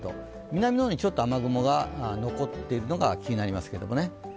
南の方にちょっと雨雲が残っているのが気になりますが。